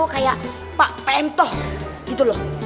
kayak pak pemtoh gitu loh